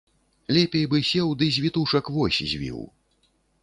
Лепей бы сеў ды з вітушак вось звіў.